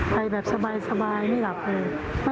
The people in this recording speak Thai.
ไปแบบสบายไม่หลับเลย